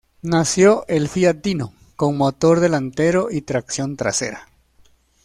Nació el Fiat Dino con motor delantero y tracción trasera.